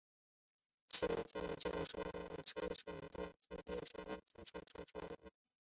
在此期间交战双方与车臣当地居民均遭受了惨重伤亡。